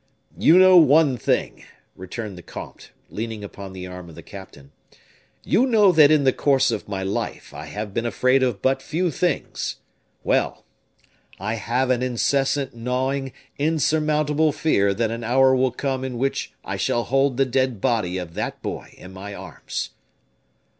"You know one thing," continued the comte, leaning upon the arm of the captain; "you know that in the course of my life I have been afraid of but few things. Well! I have an incessant gnawing, insurmountable fear that an hour will come in which I shall hold the dead body of that boy in my arms."